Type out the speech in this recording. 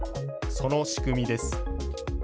その仕組みです。